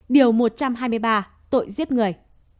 điều một trăm hai mươi ba tội giết người